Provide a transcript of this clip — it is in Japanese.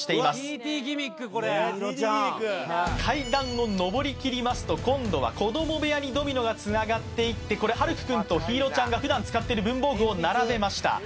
ＴＴギミックこれ階段を上りきりますと今度は子ども部屋にドミノがつながっていってこれ晴空くんと陽彩ちゃんが普段使ってる文房具を並べました